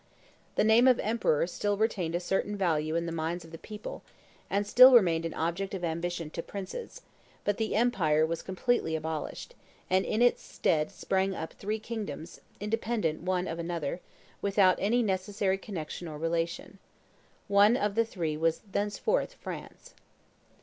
The name of emperor still retained a certain value in the minds of the people, and still remained an object of ambition to princes; but the empire was completely abolished, and in its stead sprang up three kingdoms, independent one of another, without any necessary connection or relation. One of the three was thenceforth France.